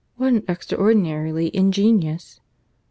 What an extraordinarily ingenious